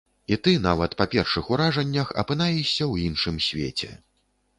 І ты, нават па першых уражаннях, апынаешся ў іншым свеце.